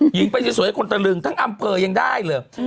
ยิงไปสวยคนตะลึงทั้งอำเภอยังได้เลย